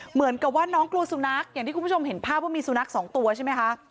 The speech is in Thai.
เหมือนกับว่าน้องกลัวสุนัขอย่างที่คุณผู้ชมเห็นภาพว่ามีสุนัขสองตัวใช่ไหมคะ